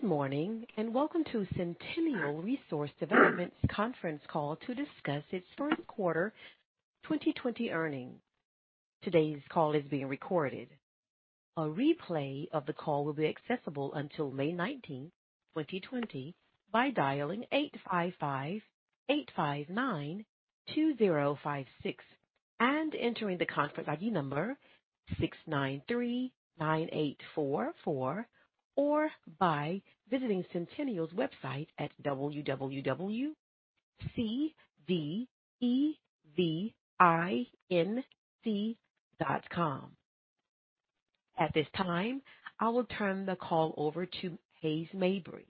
Good morning, welcome to Centennial Resource Development's Conference Call to discuss its first quarter 2020 earning. Today's call is being recorded. A replay of the call will be accessible until May 19, 2020, by dialing 855-859-2056 and entering the conference ID number 6939844, or by visiting Centennial's website at www.cdevinc.com. At this time, I will turn the call over to Hays Mabry,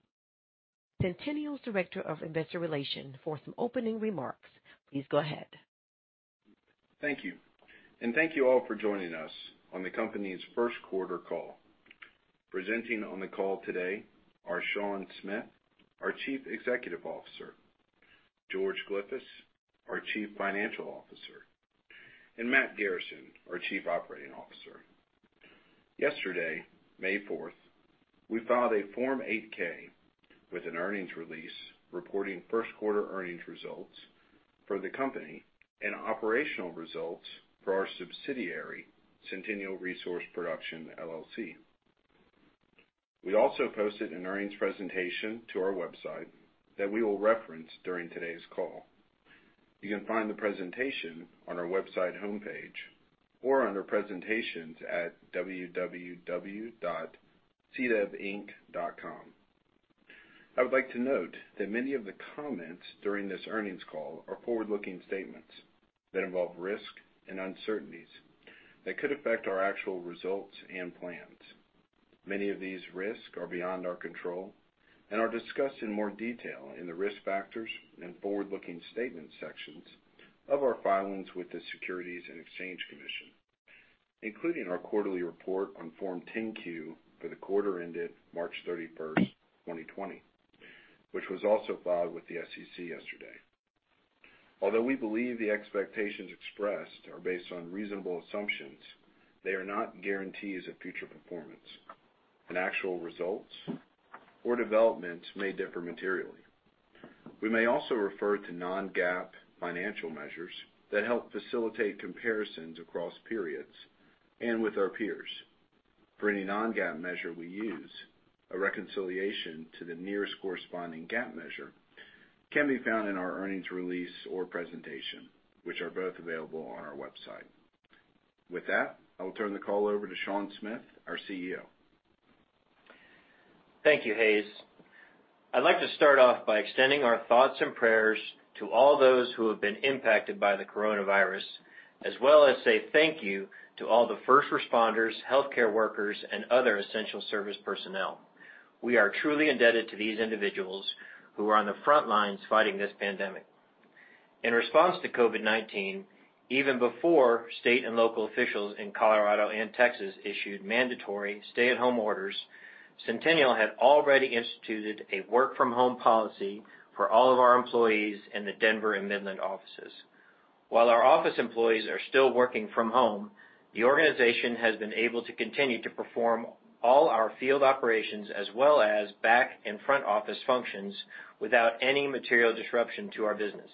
Centennial's Director of Investor Relations, for some opening remarks. Please go ahead. Thank you. Thank you all for joining us on the company's first quarter call. Presenting on the call today are Sean Smith, our Chief Executive Officer, George Glyphis, our Chief Financial Officer, and Matt Garrison, our Chief Operating Officer. Yesterday, May 4th, we filed a Form 8-K with an earnings release reporting first quarter earnings results for the company and operational results for our subsidiary, Centennial Resource Production LLC. We also posted an earnings presentation to our website that we will reference during today's call. You can find the presentation on our website homepage or under presentations at www.cdevinc.com. I would like to note that many of the comments during this earnings call are forward-looking statements that involve risk and uncertainties that could affect our actual results and plans. Many of these risks are beyond our control and are discussed in more detail in the risk factors and forward-looking statement sections of our filings with the Securities and Exchange Commission, including our quarterly report on Form 10-Q for the quarter ended March 31st, 2020, which was also filed with the SEC yesterday. Although we believe the expectations expressed are based on reasonable assumptions, they are not guarantees of future performance and actual results or developments may differ materially. We may also refer to non-GAAP financial measures that help facilitate comparisons across periods and with our peers. For any non-GAAP measure we use, a reconciliation to the nearest corresponding GAAP measure can be found in our earnings release or presentation, which are both available on our website. With that, I will turn the call over to Sean Smith, our CEO. Thank you, Hays. I'd like to start off by extending our thoughts and prayers to all those who have been impacted by the coronavirus, as well as say thank you to all the first responders, healthcare workers, and other essential service personnel. We are truly indebted to these individuals who are on the front lines fighting this pandemic. In response to COVID-19, even before state and local officials in Colorado and Texas issued mandatory stay-at-home orders, Centennial had already instituted a work-from-home policy for all of our employees in the Denver and Midland offices. While our office employees are still working from home, the organization has been able to continue to perform all our field operations as well as back and front office functions without any material disruption to our business.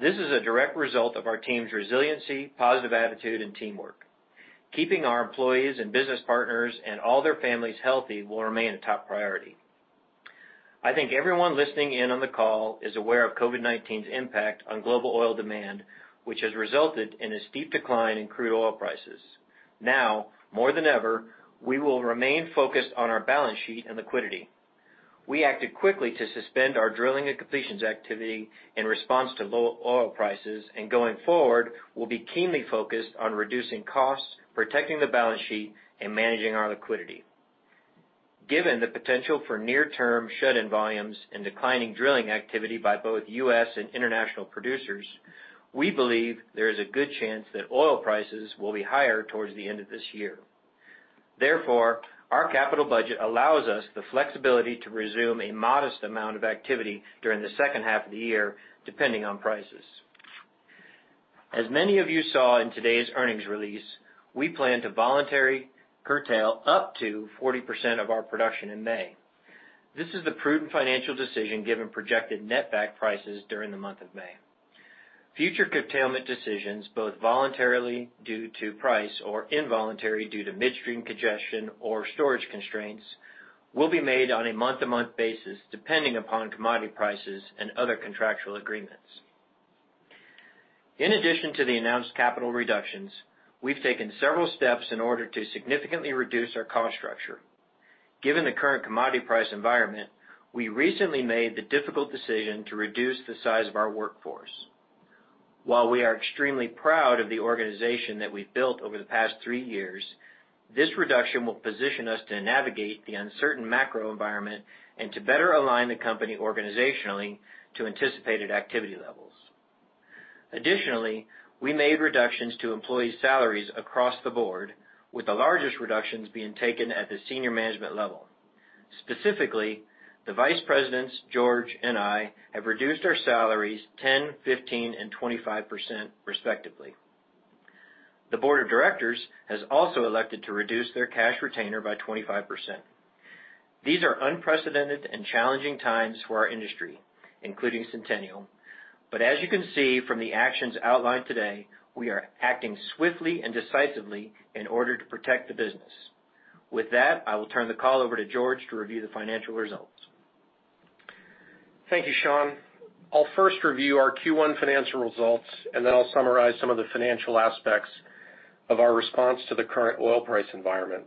This is a direct result of our team's resiliency, positive attitude, and teamwork. Keeping our employees and business partners and all their families healthy will remain a top priority. I think everyone listening in on the call is aware of COVID-19's impact on global oil demand, which has resulted in a steep decline in crude oil prices. Now, more than ever, we will remain focused on our balance sheet and liquidity. We acted quickly to suspend our drilling and completions activity in response to low oil prices, and going forward, we'll be keenly focused on reducing costs, protecting the balance sheet, and managing our liquidity. Given the potential for near-term shut-in volumes and declining drilling activity by both U.S. and international producers, we believe there is a good chance that oil prices will be higher towards the end of this year. Therefore, our capital budget allows us the flexibility to resume a modest amount of activity during the second half of the year, depending on prices. As many of you saw in today's earnings release, we plan to voluntarily curtail up to 40% of our production in May. This is the prudent financial decision given projected netback prices during the month of May. Future curtailment decisions, both voluntarily due to price or involuntary due to midstream congestion or storage constraints, will be made on a month-to-month basis, depending upon commodity prices and other contractual agreements. In addition to the announced capital reductions, we've taken several steps in order to significantly reduce our cost structure. Given the current commodity price environment, we recently made the difficult decision to reduce the size of our workforce. While we are extremely proud of the organization that we've built over the past three years, this reduction will position us to navigate the uncertain macro environment and to better align the company organizationally to anticipated activity levels. Additionally, we made reductions to employee salaries across the board, with the largest reductions being taken at the senior management level. Specifically, the vice presidents, George and I, have reduced our salaries 10%, 15%, and 25% respectively. The board of directors has also elected to reduce their cash retainer by 25%. These are unprecedented and challenging times for our industry, including Centennial. But as you can see from the actions outlined today, we are acting swiftly and decisively in order to protect the business. With that, I will turn the call over to George to review the financial results. Thank you, Sean. I'll first review our Q1 financial results, and then I'll summarize some of the financial aspects of our response to the current oil price environment.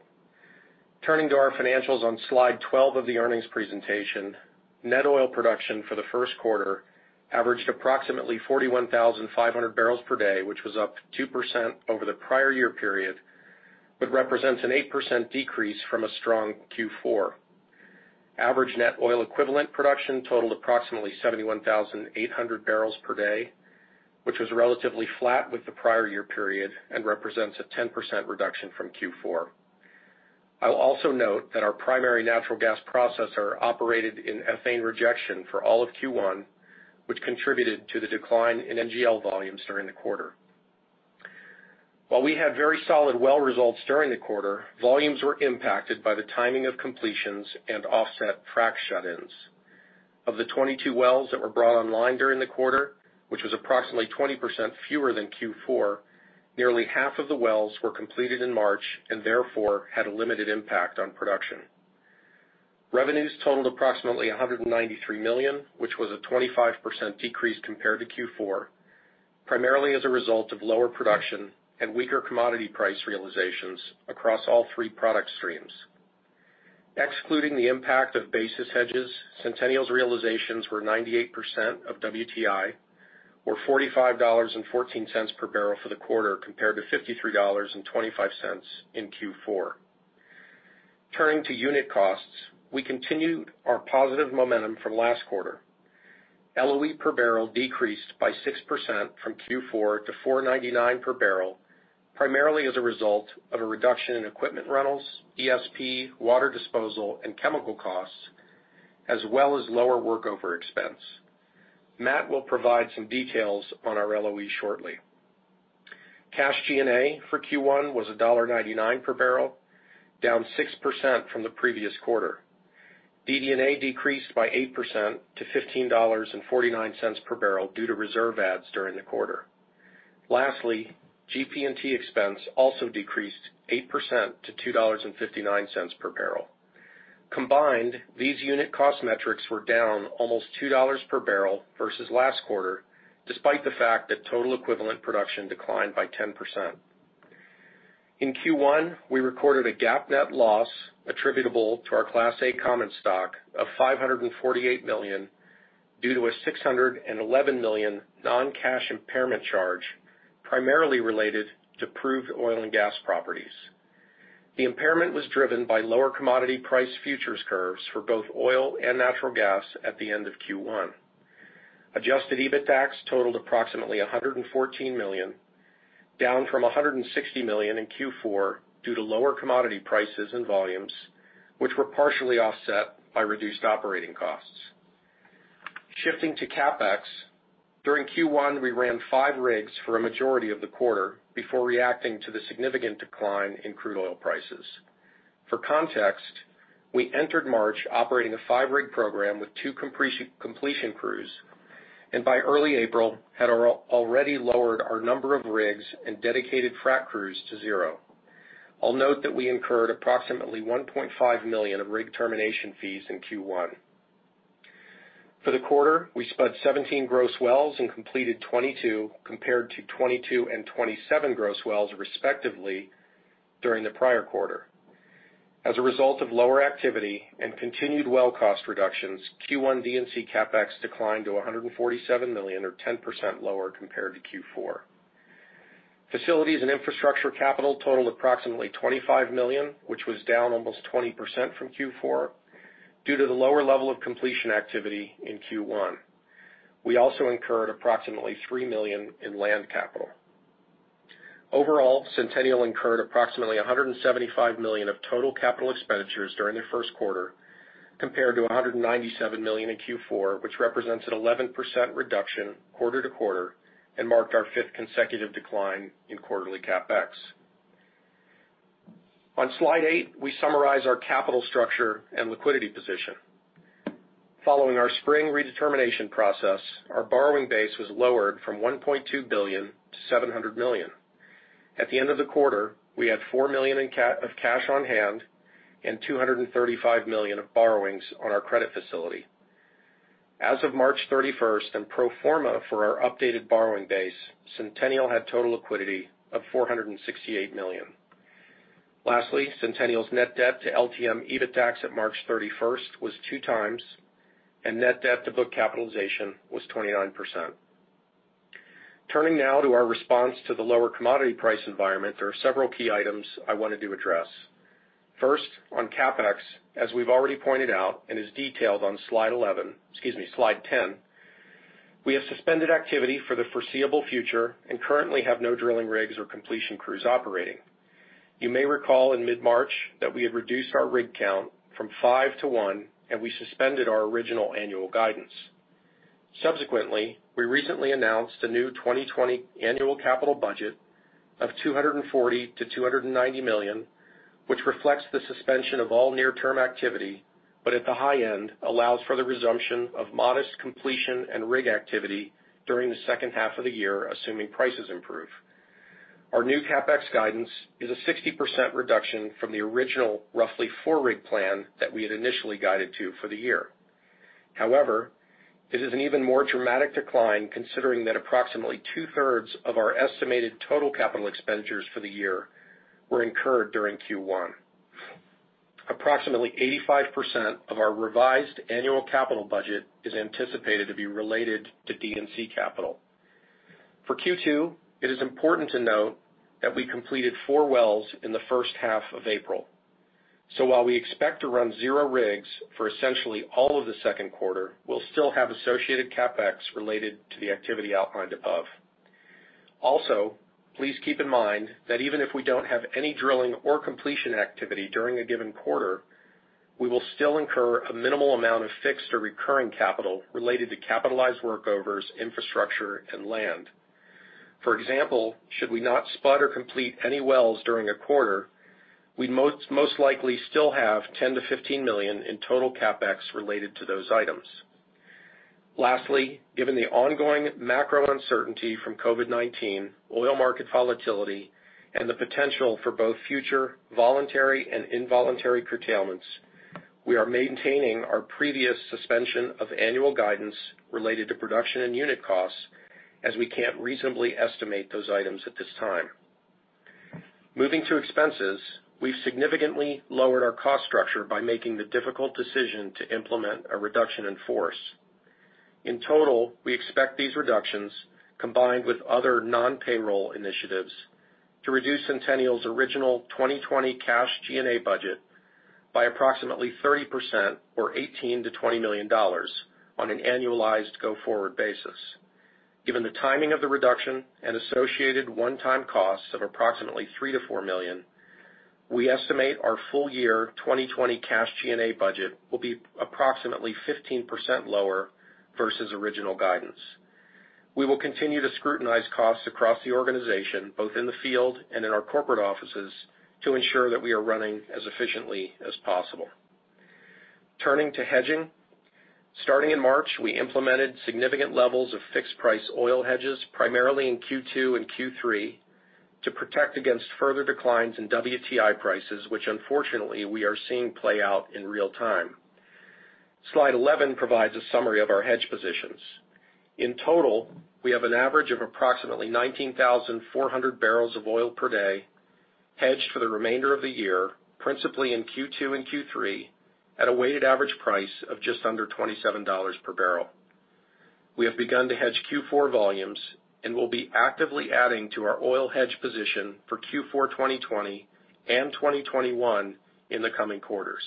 Turning to our financials on slide 12 of the earnings presentation, net oil production for the first quarter averaged approximately 41,500 barrels per day, which was up 2% over the prior year period, but represents an 8% decrease from a strong Q4. Average net oil equivalent production totaled approximately 71,800 barrels per day, which was relatively flat with the prior year period and represents a 10% reduction from Q4. I will also note that our primary natural gas processor operated in ethane rejection for all of Q1, which contributed to the decline in NGL volumes during the quarter. While we had very solid well results during the quarter, volumes were impacted by the timing of completions and offset frac shut-ins. Of the 22 wells that were brought online during the quarter, which was approximately 20% fewer than Q4, nearly half of the wells were completed in March and therefore had a limited impact on production. Revenues totaled approximately $193 million, which was a 25% decrease compared to Q4, primarily as a result of lower production and weaker commodity price realizations across all three product streams. Excluding the impact of basis hedges, Centennial's realizations were 98% of WTI, or $45.14 per barrel for the quarter, compared to $53.25 in Q4. Turning to unit costs, we continued our positive momentum from last quarter. LOE per barrel decreased by 6% from Q4 to $4.99 per barrel, primarily as a result of a reduction in equipment rentals, ESP, water disposal, and chemical costs, as well as lower workover expense. Matt will provide some details on our LOE shortly. Cash G&A for Q1 was $1.99 per barrel, down 6% from the previous quarter. DD&A decreased by 8% to $15.49 per barrel due to reserve adds during the quarter. Lastly, GP&T expense also decreased 8% to $2.59 per barrel. Combined, these unit cost metrics were down almost $2 per barrel versus last quarter, despite the fact that total equivalent production declined by 10%. In Q1, we recorded a GAAP net loss attributable to our Class A common stock of $548 million due to a $611 million non-cash impairment charge, primarily related to proved oil and gas properties. The impairment was driven by lower commodity price futures curves for both oil and natural gas at the end of Q1. Adjusted EBITDAX totaled approximately $114 million, down from $160 million in Q4 due to lower commodity prices and volumes, which were partially offset by reduced operating costs. Shifting to CapEx, during Q1, we ran five rigs for a majority of the quarter before reacting to the significant decline in crude oil prices. For context, we entered March operating a five-rig program with two completion crews, and by early April, had already lowered our number of rigs and dedicated frac crews to zero. I'll note that we incurred approximately $1.5 million of rig termination fees in Q1. For the quarter, we spud 17 gross wells and completed 22, compared to 22 and 27 gross wells, respectively, during the prior quarter. As a result of lower activity and continued well cost reductions, Q1 D&C CapEx declined to $147 million, or 10% lower compared to Q4. Facilities and infrastructure capital totaled approximately $25 million, which was down almost 20% from Q4 due to the lower level of completion activity in Q1. We also incurred approximately $3 million in land capital. Overall, Centennial incurred approximately $175 million of total capital expenditures during the first quarter, compared to $197 million in Q4, which represents an 11% reduction quarter-to-quarter and marked our fifth consecutive decline in quarterly CapEx. On slide eight, we summarize our capital structure and liquidity position. Following our spring redetermination process, our borrowing base was lowered from $1.2 billion to $700 million. At the end of the quarter, we had $4 million of cash on hand and $235 million of borrowings on our credit facility. As of March 31st, and pro forma for our updated borrowing base, Centennial had total liquidity of $468 million. Lastly, Centennial's net debt to LTM EBITDAX at March 31st was 2x, and net debt to book capitalization was 29%. Turning now to our response to the lower commodity price environment, there are several key items I wanted to address. First, on CapEx, as we've already pointed out and is detailed on slide 11-- excuse me, slide 10, we have suspended activity for the foreseeable future and currently have no drilling rigs or completion crews operating. You may recall in mid-March that we had reduced our rig count from five to one, and we suspended our original annual guidance. Subsequently, we recently announced a new 2020 annual capital budget of $240 million-$290 million, which reflects the suspension of all near-term activity, but at the high end allows for the resumption of modest completion and rig activity during the second half of the year, assuming prices improve. Our new CapEx guidance is a 60% reduction from the original roughly four-rig plan that we had initially guided to for the year. It is an even more dramatic decline considering that approximately two-thirds of our estimated total capital expenditures for the year were incurred during Q1. Approximately 85% of our revised annual capital budget is anticipated to be related to D&C capital. For Q2, it is important to note that we completed four wells in the first half of April. While we expect to run zero rigs for essentially all of the second quarter, we'll still have associated CapEx related to the activity outlined above. Also, please keep in mind that even if we don't have any drilling or completion activity during a given quarter, we will still incur a minimal amount of fixed or recurring capital related to capitalized workovers, infrastructure, and land. For example, should we not spot or complete any wells during a quarter, we'd most likely still have $10 million-$15 million in total CapEx related to those items. Lastly, given the ongoing macro uncertainty from COVID-19, oil market volatility, and the potential for both future voluntary and involuntary curtailments, we are maintaining our previous suspension of annual guidance related to production and unit costs as we can't reasonably estimate those items at this time. Moving to expenses, we've significantly lowered our cost structure by making the difficult decision to implement a reduction in force. In total, we expect these reductions, combined with other non-payroll initiatives, to reduce Centennial's original 2020 cash G&A budget by approximately 30%, or $18 million-$20 million, on an annualized go-forward basis. Given the timing of the reduction and associated one-time costs of approximately $3 million to $4 million, we estimate our full year 2020 cash G&A budget will be approximately 15% lower versus original guidance. We will continue to scrutinize costs across the organization, both in the field and in our corporate offices, to ensure that we are running as efficiently as possible. Turning to hedging, starting in March, we implemented significant levels of fixed price oil hedges, primarily in Q2 and Q3, to protect against further declines in WTI prices, which unfortunately we are seeing play out in real time. Slide 11 provides a summary of our hedge positions. In total, we have an average of approximately 19,400 barrels of oil per day hedged for the remainder of the year, principally in Q2 and Q3, at a weighted average price of just under $27 per barrel. We have begun to hedge Q4 volumes and will be actively adding to our oil hedge position for Q4 2020 and 2021 in the coming quarters.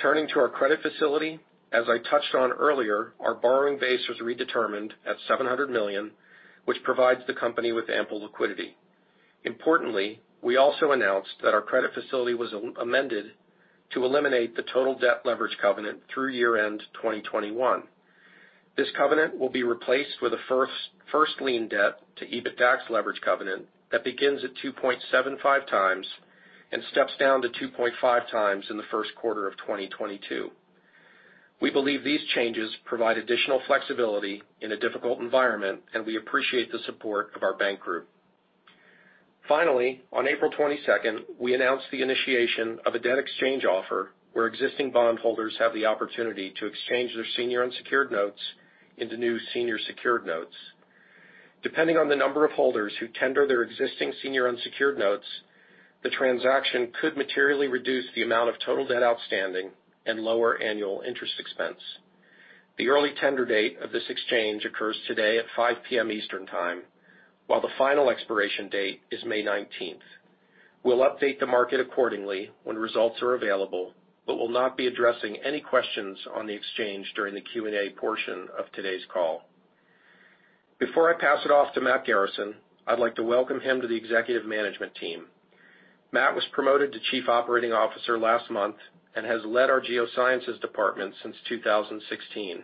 Turning to our credit facility, as I touched on earlier, our borrowing base was redetermined at $700 million, which provides the company with ample liquidity. Importantly, we also announced that our credit facility was amended to eliminate the total debt leverage covenant through year-end 2021. This covenant will be replaced with a first lien debt to EBITDAX leverage covenant that begins at 2.75x and steps down to 2.5x in the first quarter of 2022. We believe these changes provide additional flexibility in a difficult environment, and we appreciate the support of our bank group. Finally, on April 22nd, we announced the initiation of a debt exchange offer where existing bondholders have the opportunity to exchange their senior unsecured notes into new senior secured notes. Depending on the number of holders who tender their existing senior unsecured notes, the transaction could materially reduce the amount of total debt outstanding and lower annual interest expense. The early tender date of this exchange occurs today at 5:00 P.M. Eastern Time, while the final expiration date is May 19th. We will update the market accordingly when results are available, will not be addressing any questions on the exchange during the Q&A portion of today's call. Before I pass it off to Matt Garrison, I would like to welcome him to the executive management team. Matt was promoted to Chief Operating Officer last month and has led our geosciences department since 2016.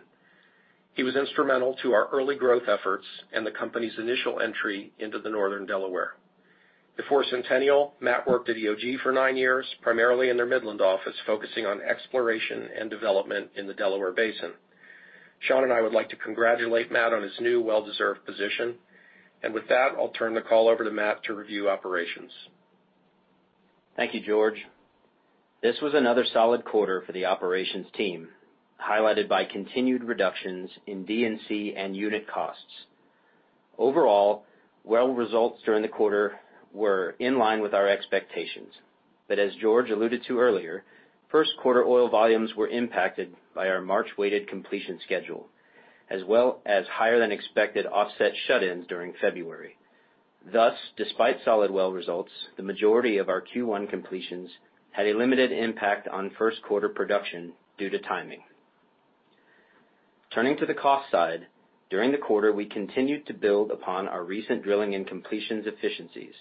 He was instrumental to our early growth efforts and the company's initial entry into the Northern Delaware. Before Centennial, Matt worked at EOG for nine years, primarily in their Midland office, focusing on exploration and development in the Delaware Basin. Sean and I would like to congratulate Matt on his new, well-deserved position. With that, I'll turn the call over to Matt to review operations. Thank you, George. This was another solid quarter for the operations team, highlighted by continued reductions in D&C and unit costs. Overall, well results during the quarter were in line with our expectations, but as George alluded to earlier, first quarter oil volumes were impacted by our March-weighted completion schedule, as well as higher-than-expected offset shut-ins during February. Thus, despite solid well results, the majority of our Q1 completions had a limited impact on first quarter production due to timing. Turning to the cost side, during the quarter, we continued to build upon our recent drilling and completions efficiencies,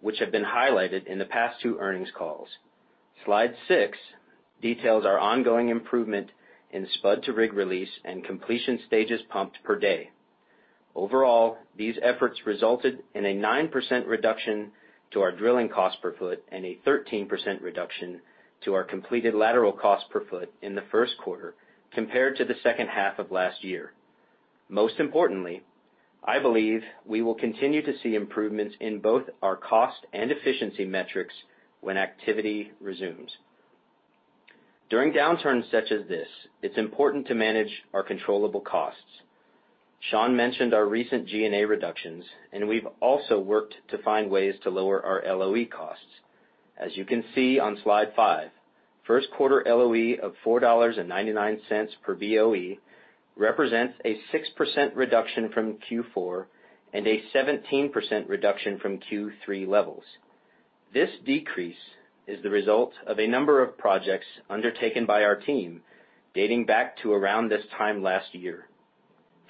which have been highlighted in the past two earnings calls. Slide six details our ongoing improvement in spud to rig release and completion stages pumped per day. Overall, these efforts resulted in a 9% reduction to our drilling cost per foot and a 13% reduction to our completed lateral cost per foot in the first quarter compared to the second half of last year. Most importantly, I believe we will continue to see improvements in both our cost and efficiency metrics when activity resumes. During downturns such as this, it's important to manage our controllable costs. Sean mentioned our recent G&A reductions, and we've also worked to find ways to lower our LOE costs. As you can see on slide five, first quarter LOE of $4.99 per BOE represents a 6% reduction from Q4 and a 17% reduction from Q3 levels. This decrease is the result of a number of projects undertaken by our team dating back to around this time last year.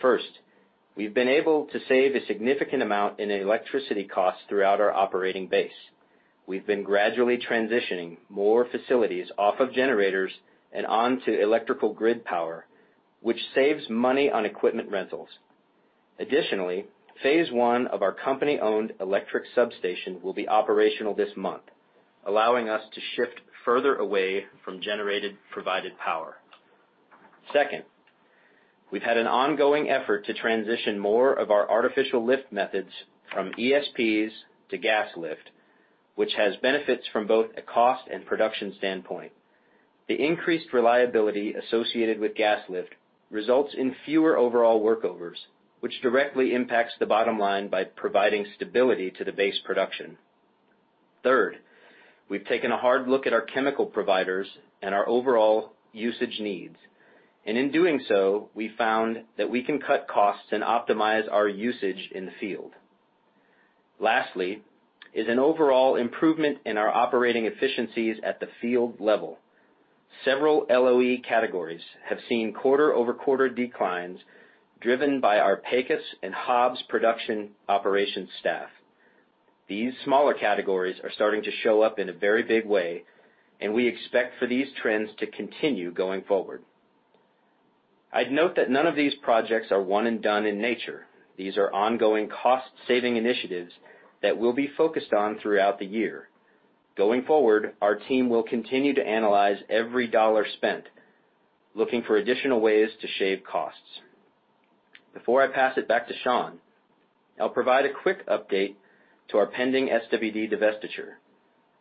First, we've been able to save a significant amount in electricity costs throughout our operating base. We've been gradually transitioning more facilities off of generators and onto electrical grid power, which saves money on equipment rentals. Additionally, phase 1 of our company-owned electric substation will be operational this month, allowing us to shift further away from generated provided power. Second, we've had an ongoing effort to transition more of our artificial lift methods from ESPs to gas lift, which has benefits from both a cost and production standpoint. The increased reliability associated with gas lift results in fewer overall workovers, which directly impacts the bottom line by providing stability to the base production. Third, we've taken a hard look at our chemical providers and our overall usage needs, and in doing so, we found that we can cut costs and optimize our usage in the field. Lastly is an overall improvement in our operating efficiencies at the field level. Several LOE categories have seen quarter-over-quarter declines driven by our Pecos and Hobbs production operations staff. These smaller categories are starting to show up in a very big way, and we expect for these trends to continue going forward. I'd note that none of these projects are one-and-done in nature. These are ongoing cost-saving initiatives that we'll be focused on throughout the year. Going forward, our team will continue to analyze every dollar spent, looking for additional ways to shave costs. Before I pass it back to Sean, I'll provide a quick update to our pending SWD divestiture.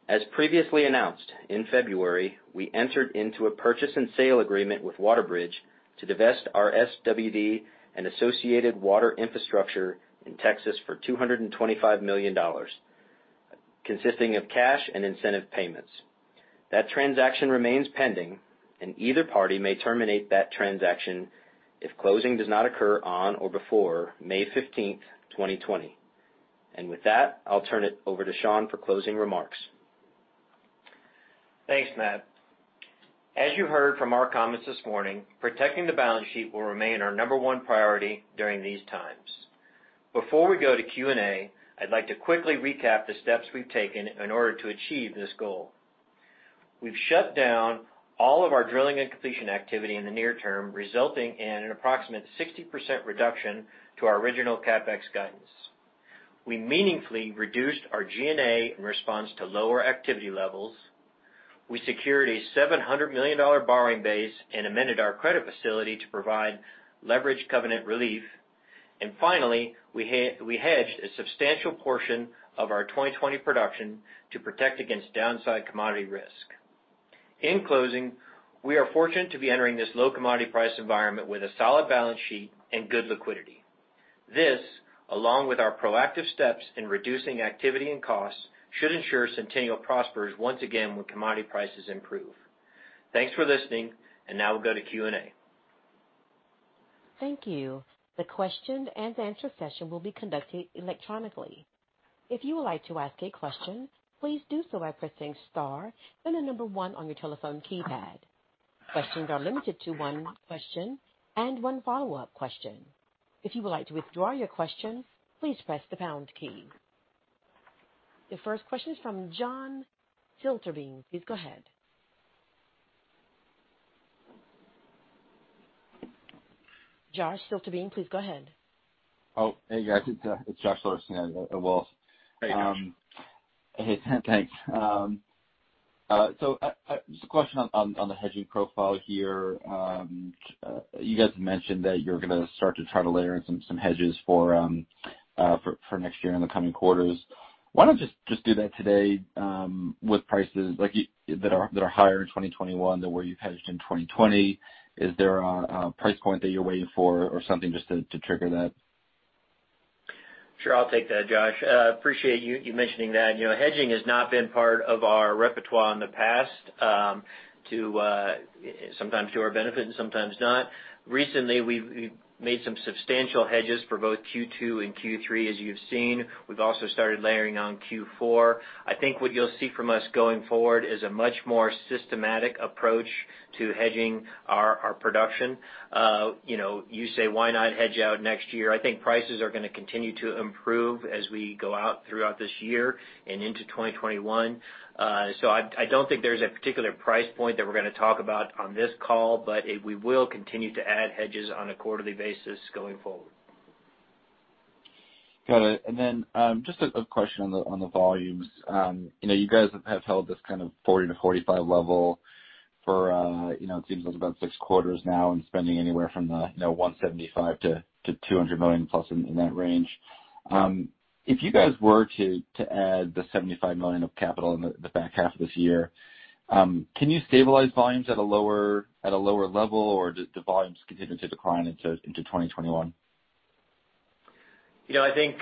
As previously announced, in February, we entered into a purchase and sale agreement with WaterBridge to divest our SWD and associated water infrastructure in Texas for $225 million, consisting of cash and incentive payments. That transaction remains pending, and either party may terminate that transaction if closing does not occur on or before May 15th, 2020. With that, I'll turn it over to Sean for closing remarks. Thanks, Matt. As you heard from our comments this morning, protecting the balance sheet will remain our number one priority during these times. Before we go to Q&A, I'd like to quickly recap the steps we've taken in order to achieve this goal. We've shut down all of our drilling and completion activity in the near term, resulting in an approximate 60% reduction to our original CapEx guidance. We meaningfully reduced our G&A in response to lower activity levels. We secured a $700 million borrowing base and amended our credit facility to provide leverage covenant relief. Finally, we hedged a substantial portion of our 2020 production to protect against downside commodity risk. In closing, we are fortunate to be entering this low commodity price environment with a solid balance sheet and good liquidity. This, along with our proactive steps in reducing activity and costs, should ensure Centennial prospers once again when commodity prices improve. Thanks for listening, and now we'll go to Q&A. Thank you. The question-and-answer session will be conducted electronically. If you would like to ask a question, please do so by pressing star, then the number one on your telephone keypad. Questions are limited to one question and one follow-up question. If you would like to withdraw your question, please press the pound key. The first question is from John Filtervine. Please go ahead. Josh Silverstein, please go ahead. Oh, hey, guys. It's Josh Silverstein at Wolfe. Hey, Josh. Hey. Thanks. Just a question on the hedging profile here. You guys mentioned that you're gonna start to try to layer in some hedges for next year in the coming quarters. Why not just do that today with prices that are higher in 2021 than where you've hedged in 2020? Is there a price point that you're waiting for or something just to trigger that? Sure. I'll take that, Josh. Appreciate you mentioning that. Hedging has not been part of our repertoire in the past, sometimes to our benefit and sometimes not. Recently, we've made some substantial hedges for both Q2 and Q3, as you've seen. We've also started layering on Q4. I think what you'll see from us going forward is a much more systematic approach to hedging our production. You say, why not hedge out next year? I think prices are gonna continue to improve as we go out throughout this year and into 2021. I don't think there's a particular price point that we're going to talk about on this call, but we will continue to add hedges on a quarterly basis going forward. Got it. Just a question on the volumes. You guys have held this kind of 40-45 level for, it seems like about six quarters now, and spending anywhere from $175 million-$200 million plus in that range. If you guys were to add the $75 million of capital in the back half of this year, can you stabilize volumes at a lower level, or do volumes continue to decline into 2021? I think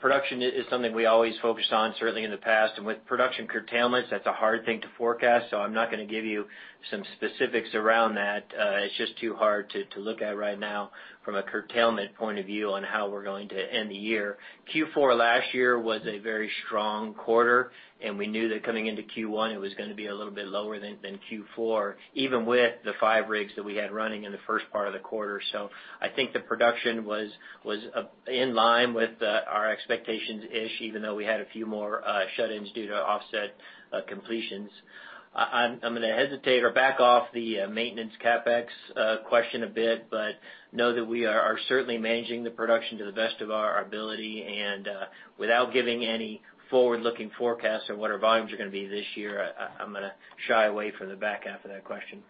production is something we always focused on, certainly in the past. With production curtailments, that's a hard thing to forecast. I'm not going to give you some specifics around that. It's just too hard to look at right now from a curtailment point of view on how we're going to end the year. Q4 last year was a very strong quarter, and we knew that coming into Q1 it was going to be a little bit lower than Q4, even with the five rigs that we had running in the first part of the quarter. I think the production was in line with our expectations-ish, even though we had a few more shut-ins due to offset completions. I'm going to hesitate or back off the maintenance CapEx question a bit, but know that we are certainly managing the production to the best of our ability. Without giving any forward-looking forecasts on what our volumes are going to be this year, I'm going to shy away from the back half of that question.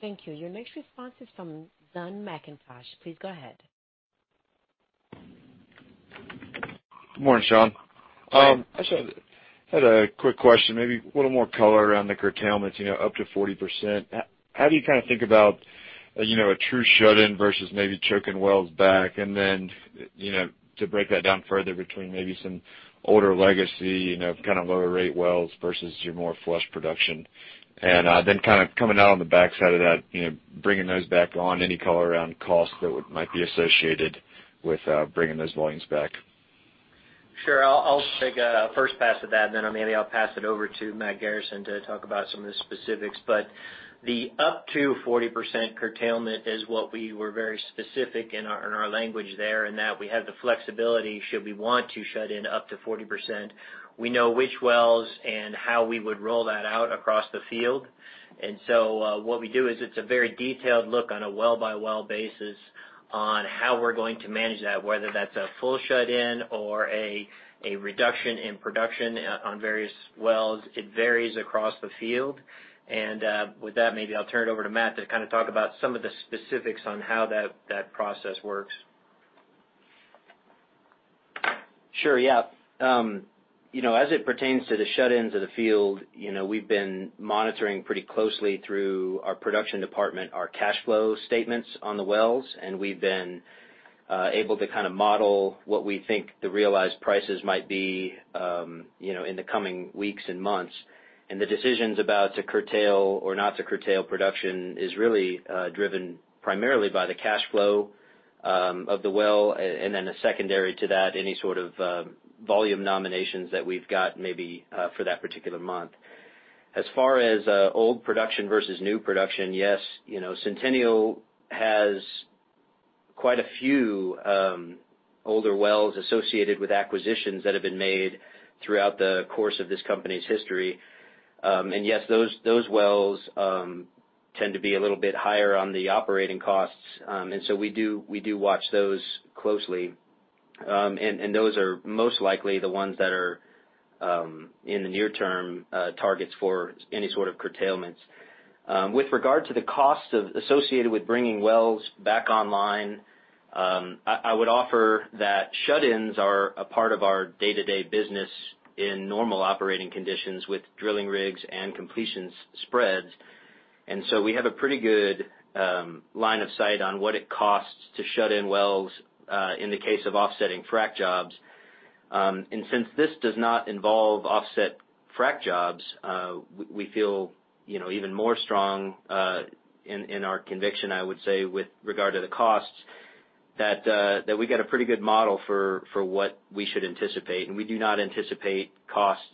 Thank you. Your next response is from Zane McIntosh. Please go ahead. Good morning, Sean. Hi. I just had a quick question, maybe a little more color around the curtailments, up to 40%. How do you think about a true shut-in versus maybe choking wells back? To break that down further between maybe some older legacy, kind of lower rate wells versus your more flush production? Coming out on the backside of that, bringing those back on, any color around costs that might be associated with bringing those volumes back? Sure. I'll take a first pass at that, and then maybe I'll pass it over to Matt Garrison to talk about some of the specifics. The up to 40% curtailment is what we were very specific in our language there, in that we have the flexibility should we want to shut in up to 40%. We know which wells and how we would roll that out across the field. What we do is it's a very detailed look on a well-by-well basis on how we're going to manage that, whether that's a full shut-in or a reduction in production on various wells. It varies across the field. With that, maybe I'll turn it over to Matt to talk about some of the specifics on how that process works. Sure. As it pertains to the shut-ins of the field, we've been monitoring pretty closely through our production department, our cash flow statements on the wells, and we've been able to model what we think the realized prices might be in the coming weeks and months. The decisions about to curtail or not to curtail production is really driven primarily by the cash flow of the well, then secondary to that, any sort of volume nominations that we've got maybe for that particular month. As far as old production versus new production, yes, Centennial has quite a few older wells associated with acquisitions that have been made throughout the course of this company's history. Yes, those wells tend to be a little bit higher on the operating costs. We do watch those closely. Those are most likely the ones that are in the near term targets for any sort of curtailments. With regard to the cost associated with bringing wells back online, I would offer that shut-ins are a part of our day-to-day business in normal operating conditions with drilling rigs and completions spreads. We have a pretty good line of sight on what it costs to shut in wells, in the case of offsetting frac jobs. Since this does not involve offset frac jobs, we feel even more strong in our conviction, I would say, with regard to the costs, that we got a pretty good model for what we should anticipate, and we do not anticipate costs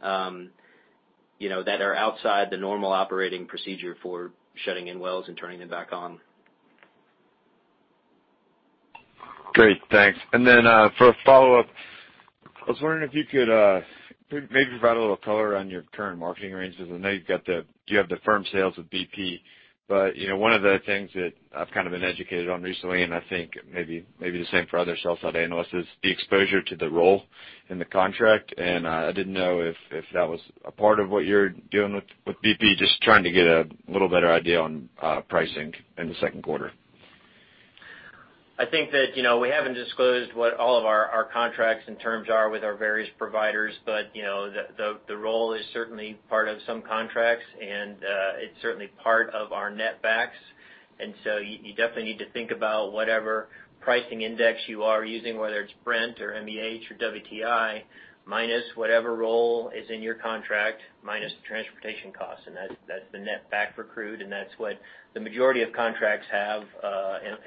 that are outside the normal operating procedure for shutting in wells and turning them back on. Great. Thanks. For a follow-up, I was wondering if you could maybe provide a little color on your current marketing ranges. I know you have the firm sales with BP, but one of the things that I've kind of been educated on recently, and I think maybe the same for other sell-side analysts, is the exposure to the roll in the contract. I didn't know if that was a part of what you're doing with BP. Just trying to get a little better idea on pricing in the second quarter. I think that we haven't disclosed what all of our contracts and terms are with our various providers, but the roll is certainly part of some contracts, and it's certainly part of our net backs. You definitely need to think about whatever pricing index you are using, whether it's Brent or MEH or WTI, minus whatever roll is in your contract, minus the transportation cost. That's the net back for crude, and that's what the majority of contracts have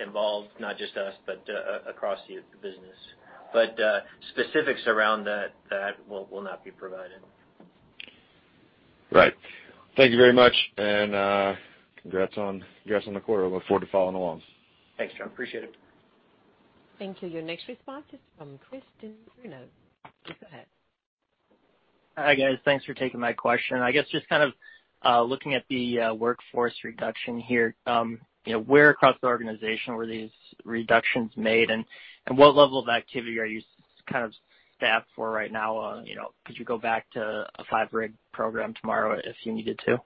involved, not just us, but across the business. Specifics around that will not be provided. Right. Thank you very much. Congrats on the quarter. Look forward to following along. Thanks, Zane. Appreciate it. Thank you. Your next response is from Christian Renaud. Go ahead. Hi, guys. Thanks for taking my question. I guess just looking at the workforce reduction here, where across the organization were these reductions made and what level of activity are you staffed for right now? Could you go back to a five-rig program tomorrow if you needed to?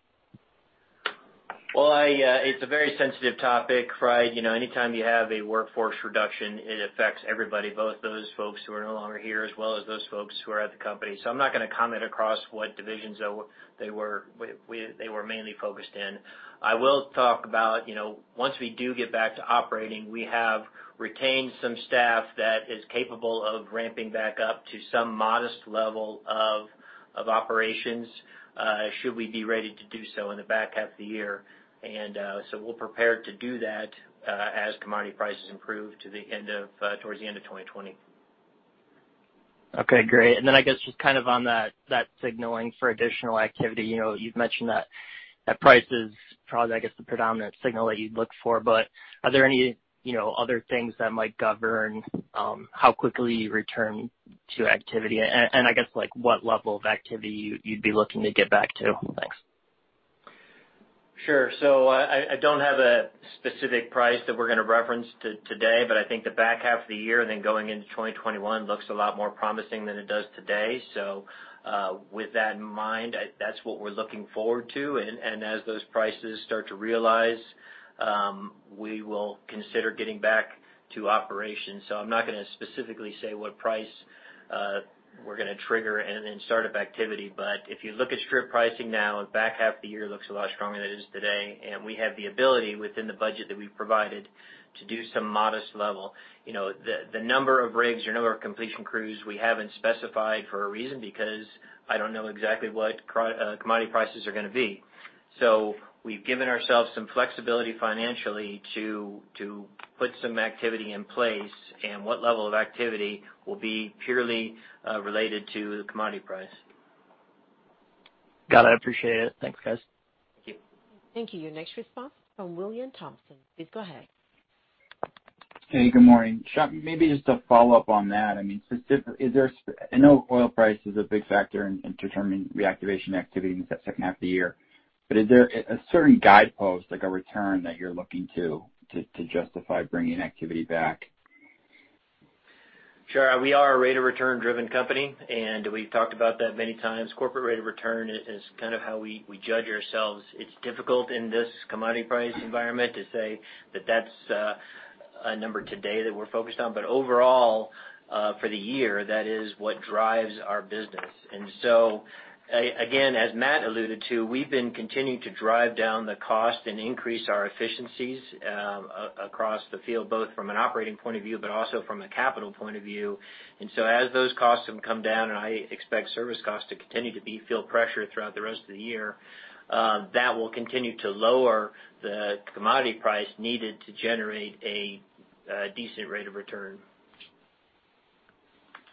It's a very sensitive topic, Fry. Anytime you have a workforce reduction, it affects everybody, both those folks who are no longer here, as well as those folks who are at the company. I'm not going to comment across what divisions they were mainly focused in. I will talk about once we do get back to operating, we have retained some staff that is capable of ramping back up to some modest level of operations, should we be ready to do so in the back half of the year. We're prepared to do that as commodity prices improve towards the end of 2020. Okay, great. I guess just on that signaling for additional activity, you've mentioned that price is probably, I guess, the predominant signal that you'd look for, are there any other things that might govern how quickly you return to activity? I guess, what level of activity you'd be looking to get back to? Thanks. Sure. I don't have a specific price that we're going to reference today, but I think the back half of the year and then going into 2021 looks a lot more promising than it does today. With that in mind, that's what we're looking forward to. As those prices start to realize, we will consider getting back to operations. I'm not going to specifically say what price we're going to trigger and then start up activity. If you look at strip pricing now, the back half of the year looks a lot stronger than it is today, and we have the ability within the budget that we've provided to do some modest level. The number of rigs, the number of completion crews, we haven't specified for a reason, because I don't know exactly what commodity prices are going to be. We've given ourselves some flexibility financially to put some activity in place, and what level of activity will be purely related to the commodity price. Got it. Appreciate it. Thanks, guys. Thank you. Thank you. Your next response from William Thompson. Please go ahead. Hey, good morning. Sean, maybe just to follow up on that. I know oil price is a big factor in determining reactivation activity in the second half of the year, but is there a certain guidepost, like a return that you're looking to justify bringing activity back? Sure. We are a rate of return-driven company, and we've talked about that many times. Corporate rate of return is how we judge ourselves. It's difficult in this commodity price environment to say that that's a number today that we're focused on. Overall, for the year, that is what drives our business. Again, as Matt alluded to, we've been continuing to drive down the cost and increase our efficiencies across the field, both from an operating point of view, but also from a capital point of view. As those costs have come down, and I expect service costs to continue to feel pressure throughout the rest of the year, that will continue to lower the commodity price needed to generate a decent rate of return.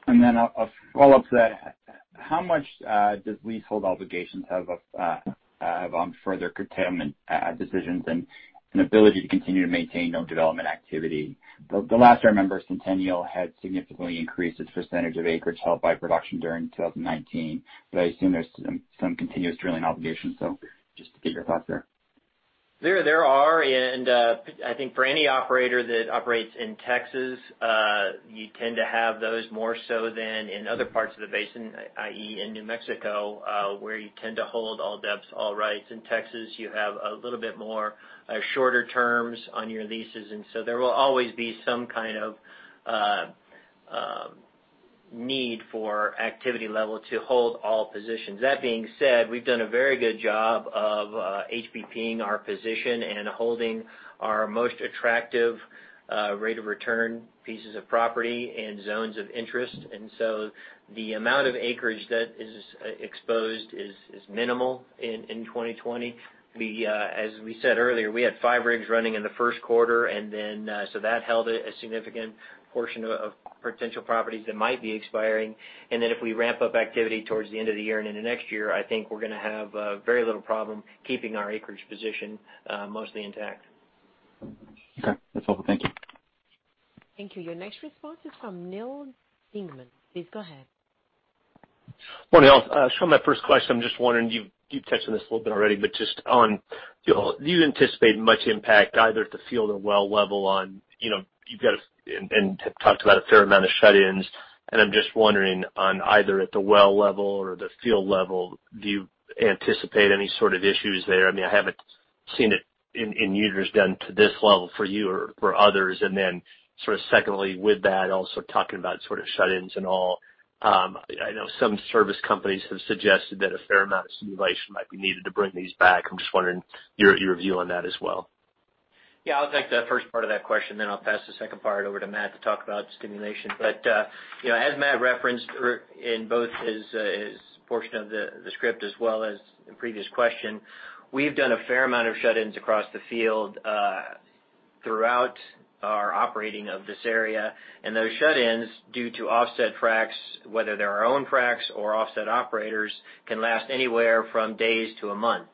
A follow-up to that. How much does leasehold obligations have on further curtailment decisions and ability to continue to maintain non-development activity? The last I remember, Centennial had significantly increased its percentage of acreage held by production during 2019, but I assume there's some continuous drilling obligations. Just to get your thoughts there. There are, and I think for any operator that operates in Texas, you tend to have those more so than in other parts of the basin, i.e., in New Mexico, where you tend to hold all depths, all rights. In Texas, you have a little bit more shorter terms on your leases, there will always be some kind of need for activity level to hold all positions. That being said, we've done a very good job of HBP-ing our position and holding our most attractive rate of return pieces of property and zones of interest. The amount of acreage that is exposed is minimal in 2020. As we said earlier, we had five rigs running in the first quarter, so that held a significant portion of potential properties that might be expiring. If we ramp up activity towards the end of the year and into next year, I think we're going to have very little problem keeping our acreage position mostly intact. Okay. That's all. Thank you. Thank you. Your next response is from Neal Dingmann. Please go ahead. Morning, all. Sean, my first question, I'm just wondering, you've touched on this a little bit already, but just on, do you anticipate much impact either at the field or well level on You've got and have talked about a fair amount of shut-ins, and I'm just wondering on either at the well level or the field level, do you anticipate any sort of issues there? I haven't seen it in years done to this level for you or for others. Then sort of secondly with that, also talking about sort of shut-ins and all. I know some service companies have suggested that a fair amount of stimulation might be needed to bring these back. I'm just wondering your view on that as well. Yeah, I'll take the first part of that question, then I'll pass the second part over to Matt to talk about stimulation. As Matt referenced in both his portion of the script as well as the previous question, we've done a fair amount of shut-ins across the field throughout our operating of this area. Those shut-ins, due to offset fracs, whether they're our own fracs or offset operators, can last anywhere from days to a month.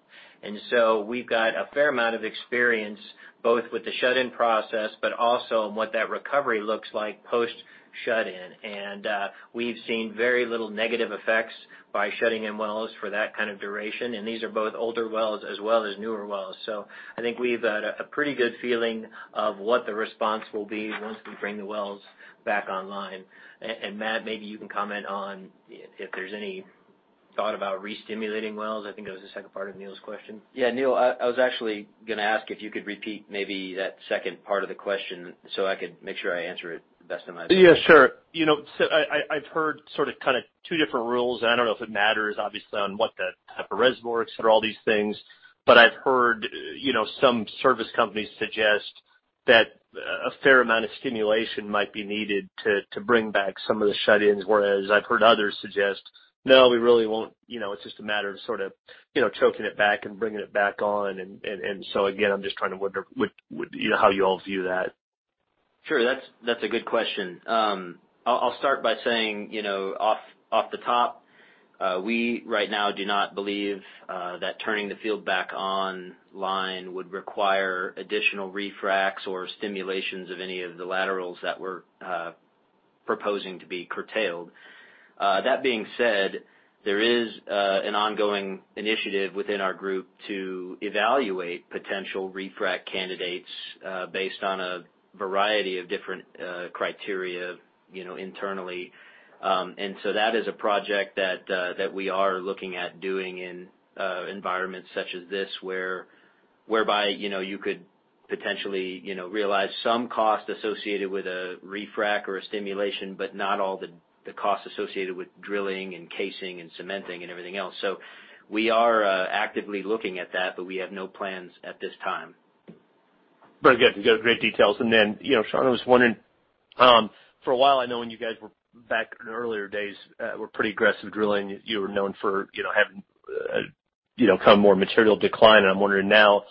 We've got a fair amount of experience, both with the shut-in process, but also on what that recovery looks like post shut-in. We've seen very little negative effects by shutting in wells for that kind of duration. These are both older wells as well as newer wells. I think we've got a pretty good feeling of what the response will be once we bring the wells back online. Matt, maybe you can comment on if there's any thought about re-stimulating wells. I think that was the second part of Neal's question. Neal, I was actually going to ask if you could repeat maybe that second part of the question so I could make sure I answer it the best of my ability. Yeah, sure. I've heard sort of two different rules, and I don't know if it matters, obviously, on what the type of reservoir, et cetera, all these things. I've heard some service companies suggest that a fair amount of stimulation might be needed to bring back some of the shut-ins, whereas I've heard others suggest, "No, we really won't. It's just a matter of sort of choking it back and bringing it back on." Again, I'm just trying to wonder how you all view that? Sure. That's a good question. I'll start by saying, off the top, we right now do not believe that turning the field back online would require additional refracs or stimulations of any of the laterals that we're proposing to be curtailed. That being said, there is an ongoing initiative within our group to evaluate potential refrac candidates based on a variety of different criteria internally. That is a project that we are looking at doing in environments such as this, whereby you could potentially realize some cost associated with a refrac or a stimulation, but not all the costs associated with drilling and casing and cementing and everything else. We are actively looking at that, but we have no plans at this time. Very good. Great details. Then, Sean, I was wondering, for a while I know when you guys were back in earlier days, were pretty aggressive drilling. You were known for having more material decline. I'm wondering now,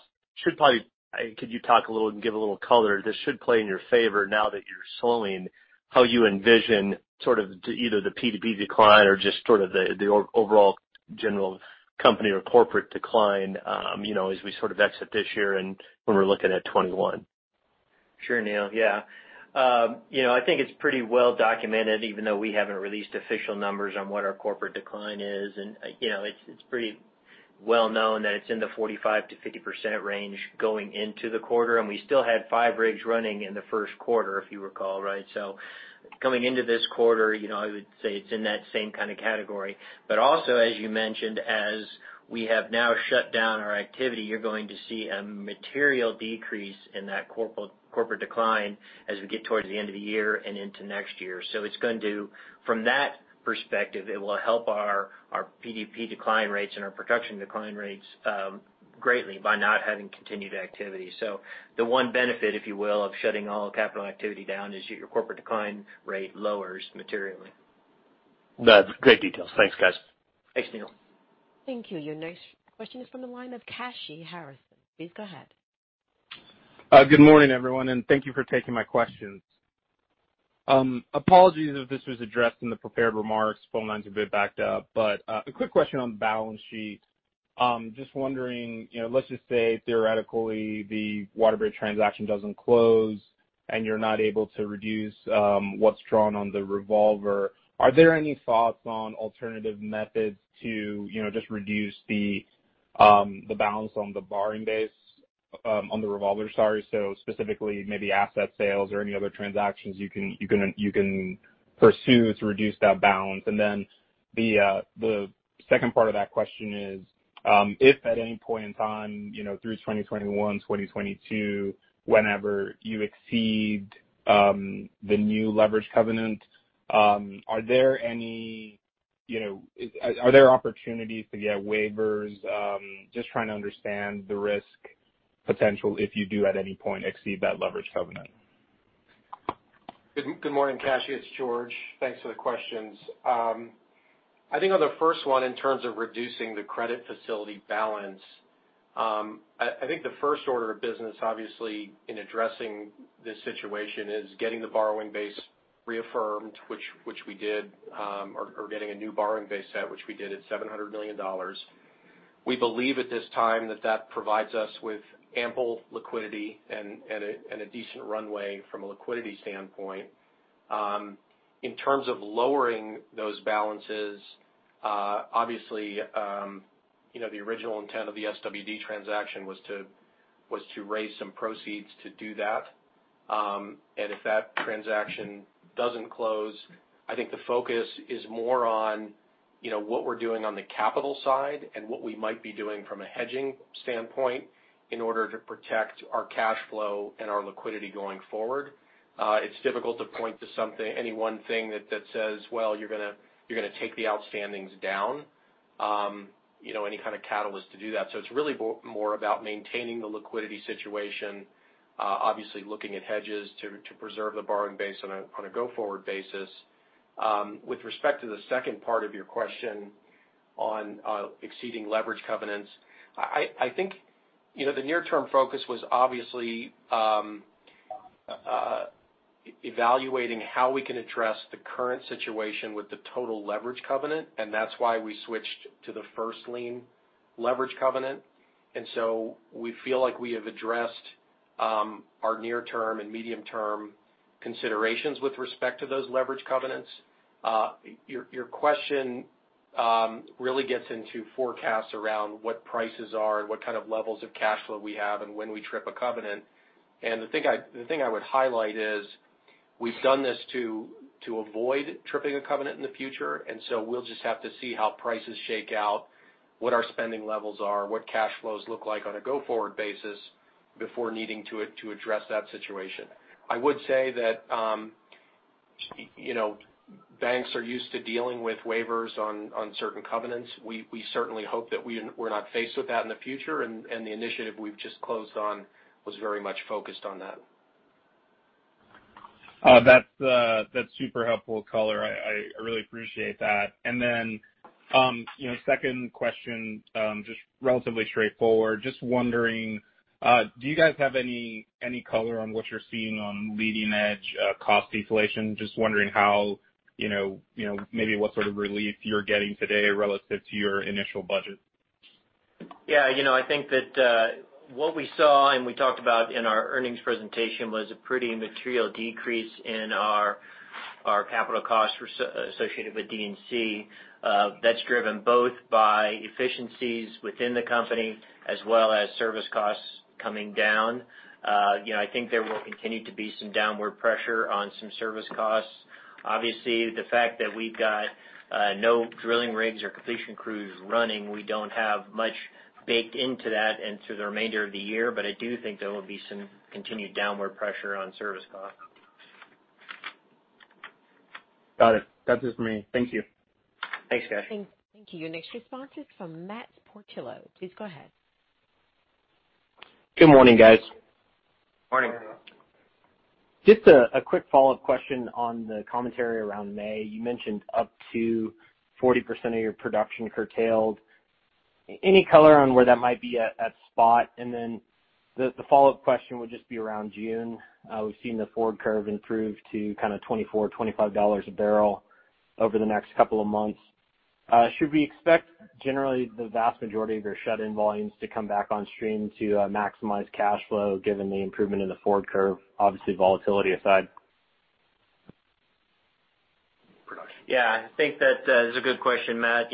could you talk a little and give a little color? This should play in your favor now that you're slowing, how you envision sort of either the PDP decline or just sort of the overall general company or corporate decline as we sort of exit this year and when we're looking at 2021. Sure, Neal. I think it's pretty well documented, even though we haven't released official numbers on what our corporate decline is. It's pretty well known that it's in the 45%-50% range going into the quarter, and we still had five rigs running in the first quarter, if you recall. Coming into this quarter, I would say it's in that same kind of category. Also, as you mentioned, as we have now shut down our activity, you're going to see a material decrease in that corporate decline as we get towards the end of the year and into next year. From that perspective, it will help our PDP decline rates and our production decline rates greatly by not having continued activity. The one benefit, if you will, of shutting all capital activity down is your corporate decline rate lowers materially. That's great details. Thanks, guys. Thanks, Neal. Thank you. Your next question is from the line of Kashy Harrison. Please go ahead. Good morning, everyone, and thank you for taking my questions. Apologies if this was addressed in the prepared remarks. Phone lines are a bit backed up. A quick question on the balance sheet. Just wondering, let's just say theoretically the WaterBridge transaction doesn't close and you're not able to reduce what's drawn on the revolver. Are there any thoughts on alternative methods to just reduce the balance on the borrowing base on the revolver? Sorry. Specifically, maybe asset sales or any other transactions you can pursue to reduce that balance. The second part of that question is, if at any point in time through 2021, 2022, whenever you exceed the new leverage covenant, are there opportunities to get waivers? Just trying to understand the risk potential if you do at any point exceed that leverage covenant. Good morning, Kashy. It's George. Thanks for the questions. I think on the first one, in terms of reducing the credit facility balance, I think the first order of business, obviously, in addressing this situation is getting the borrowing base reaffirmed, which we did, or getting a new borrowing base set, which we did at $700 million. We believe at this time that that provides us with ample liquidity and a decent runway from a liquidity standpoint. In terms of lowering those balances, obviously, the original intent of the SWD transaction was to raise some proceeds to do that. If that transaction doesn't close, I think the focus is more on what we're doing on the capital side and what we might be doing from a hedging standpoint in order to protect our cash flow and our liquidity going forward. It's difficult to point to any one thing that says, "Well, you're going to take the outstandings down," any kind of catalyst to do that. It's really more about maintaining the liquidity situation, obviously looking at hedges to preserve the borrowing base on a go-forward basis. With respect to the second part of your question on exceeding leverage covenants, I think the near-term focus was obviously. Evaluating how we can address the current situation with the total leverage covenant, and that's why we switched to the first-lien leverage covenant. We feel like we have addressed our near-term and medium-term considerations with respect to those leverage covenants. Your question really gets into forecasts around what prices are and what kind of levels of cash flow we have and when we trip a covenant. The thing I would highlight is we've done this to avoid tripping a covenant in the future, and so we'll just have to see how prices shake out, what our spending levels are, what cash flows look like on a go-forward basis before needing to address that situation. I would say that banks are used to dealing with waivers on certain covenants. We certainly hope that we're not faced with that in the future, and the initiative we've just closed on was very much focused on that. That's super helpful color. I really appreciate that. Second question, just relatively straightforward. Just wondering, do you guys have any color on what you're seeing on leading-edge cost deflation? Just wondering maybe what sort of relief you're getting today relative to your initial budget. Yeah. I think that what we saw and we talked about in our earnings presentation was a pretty material decrease in our capital costs associated with D&C. That's driven both by efficiencies within the company as well as service costs coming down. I think there will continue to be some downward pressure on some service costs. Obviously, the fact that we've got no drilling rigs or completion crews running, we don't have much baked into that and to the remainder of the year. I do think there will be some continued downward pressure on service costs. Got it. That's it for me. Thank you. Thanks, Kashy. Thank you. Your next response is from Matt Portillo. Please go ahead. Good morning, guys. Morning. Just a quick follow-up question on the commentary around May. You mentioned up to 40% of your production curtailed. Any color on where that might be at spot? The follow-up question would just be around June. We've seen the forward curve improve to kind of $24, $25 a barrel over the next couple of months. Should we expect generally the vast majority of your shut-in volumes to come back on stream to maximize cash flow given the improvement in the forward curve, obviously volatility aside? Production. Yeah, I think that is a good question, Matt.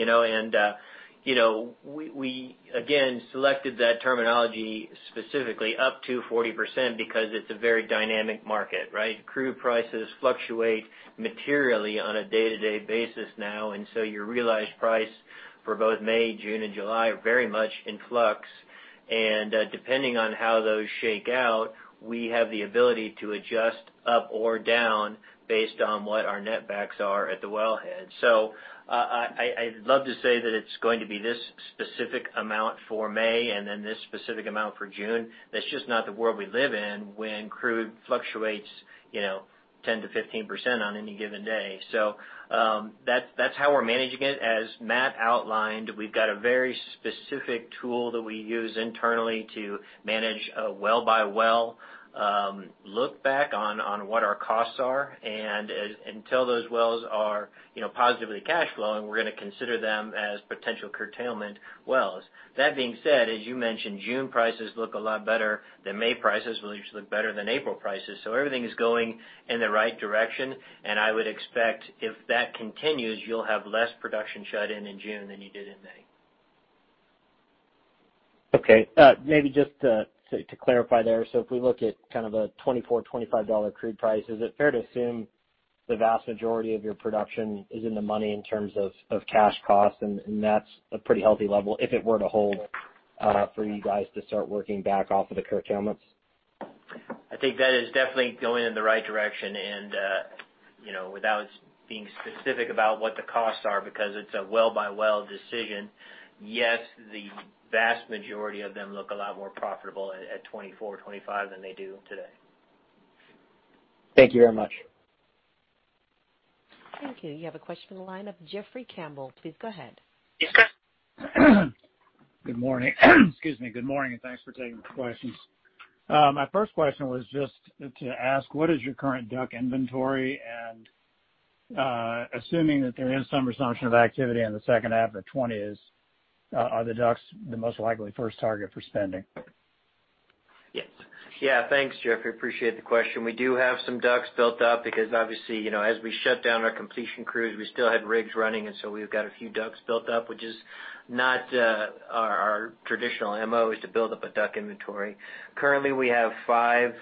We, again, selected that terminology specifically up to 40% because it's a very dynamic market, right? Crude prices fluctuate materially on a day-to-day basis now, your realized price for both May, June, and July are very much in flux. Depending on how those shake out, we have the ability to adjust up or down based on what our netbacks are at the wellhead. I'd love to say that it's going to be this specific amount for May and then this specific amount for June. That's just not the world we live in when crude fluctuates 10%-15% on any given day. That's how we're managing it. As Matt outlined, we've got a very specific tool that we use internally to manage a well-by-well look back on what our costs are. Until those wells are positively cash flowing, we're going to consider them as potential curtailment wells. That being said, as you mentioned, June prices look a lot better than May prices, which look better than April prices. Everything is going in the right direction, and I would expect if that continues, you'll have less production shut in in June than you did in May. Okay. Maybe just to clarify there. If we look at kind of a $24, $25 crude price, is it fair to assume the vast majority of your production is in the money in terms of cash costs? And that's a pretty healthy level if it were to hold for you guys to start working back off of the curtailments? I think that is definitely going in the right direction and without being specific about what the costs are, because it's a well-by-well decision, yes, the vast majority of them look a lot more profitable at $24, $25 than they do today. Thank you very much. Thank you. You have a question in the lineup, Jeffrey Campbell, please go ahead. Yes. Good morning. Excuse me. Good morning, thanks for taking the questions. My first question was just to ask, what is your current DUC inventory? Assuming that there is some resumption of activity in the second half of '20s, are the DUCs the most likely first target for spending? Yes. Yeah. Thanks, Jeffrey. Appreciate the question. We do have some DUCs built up because obviously, as we shut down our completion crews, we still had rigs running, and so we've got a few DUCs built up, which is not our traditional MO is to build up a DUC inventory. Currently, we have five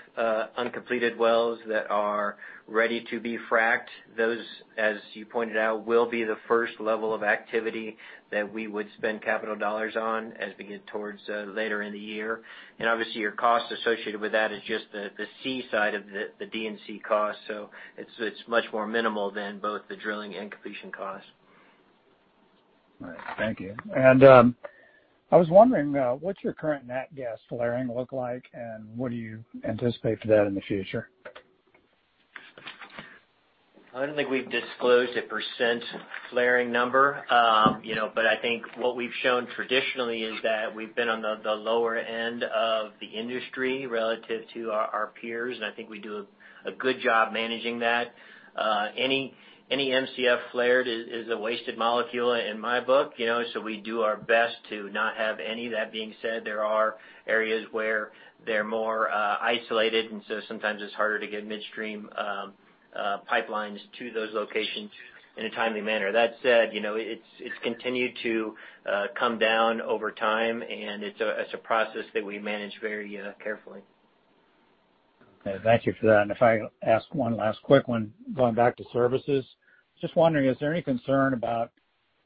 uncompleted wells that are ready to be fracked. Those, as you pointed out, will be the first level of activity that we would spend capital dollars on as we get towards later in the year. Obviously, your cost associated with that is just the C side of the D&C cost. It's much more minimal than both the drilling and completion cost. All right. Thank you. I was wondering, what's your current net gas flaring look like, and what do you anticipate for that in the future? I don't think we've disclosed a percent flaring number. I think what we've shown traditionally is that we've been on the lower end of the industry relative to our peers, and I think we do a good job managing that. Any MCF flared is a wasted molecule in my book, so we do our best to not have any. That being said, there are areas where they're more isolated, and so sometimes it's harder to get midstream pipelines to those locations in a timely manner. That said, it's continued to come down over time, and it's a process that we manage very carefully. Okay. Thank you for that. If I ask one last quick one, going back to services. Just wondering, is there any concern about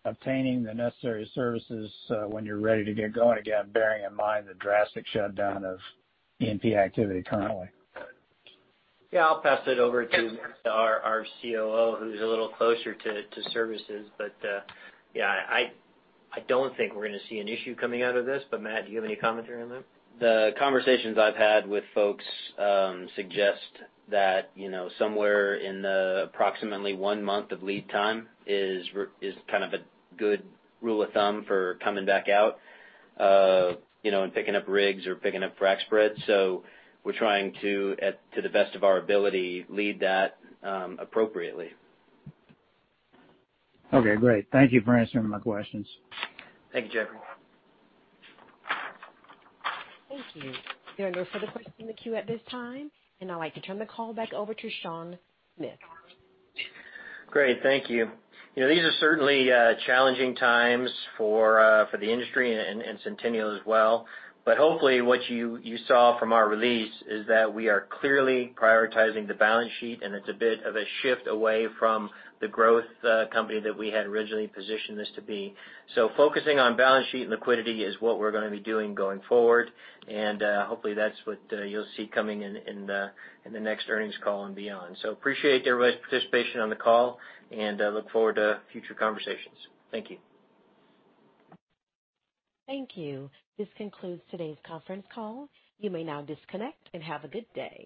obtaining the necessary services when you're ready to get going again, bearing in mind the drastic shutdown of E&P activity currently? Yeah, I'll pass that over to our COO who's a little closer to services. Yeah, I don't think we're going to see an issue coming out of this. Matt, do you have any commentary on that? The conversations I've had with folks suggest that somewhere in the approximately one month of lead time is kind of a good rule of thumb for coming back out and picking up rigs or picking up frac spreads. We're trying to the best of our ability, lead that appropriately. Okay, great. Thank you for answering my questions. Thanks, Jeffrey. Thank you. There are no further questions in the queue at this time, and I'd like to turn the call back over to Sean Smith. Great, thank you. These are certainly challenging times for the industry, and Centennial as well. Hopefully, what you saw from our release is that we are clearly prioritizing the balance sheet, and it's a bit of a shift away from the growth company that we had originally positioned this to be. Focusing on balance sheet and liquidity is what we're going to be doing going forward. Hopefully, that's what you'll see coming in the next earnings call and beyond. Appreciate everybody's participation on the call, and I look forward to future conversations. Thank you. Thank you. This concludes today's conference call. You may now disconnect, and have a good day.